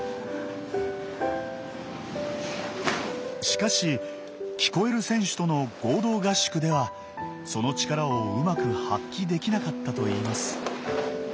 しかし聞こえる選手との合同合宿ではその力をうまく発揮できなかったといいます。